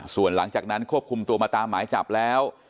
ส่วนหลังจากนั้นควบคุมตัวมาตามหมายจับแล้ว